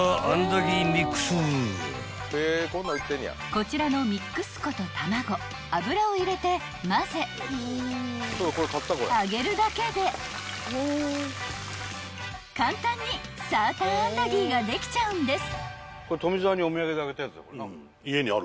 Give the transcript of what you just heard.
［こちらのミックス粉と卵油を入れて混ぜ揚げるだけで簡単にサーターアンダギーができちゃうんです］